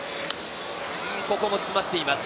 ここも詰まっています。